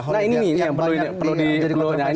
nah ini nih yang perlu dikelola